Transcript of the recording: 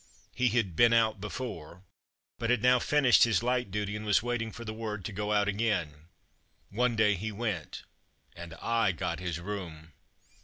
He had "been out'' before, but had now finished his light duty and was waiting for the word to go out again One day he went, and I got his room.